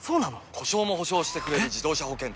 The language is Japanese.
故障も補償してくれる自動車保険といえば？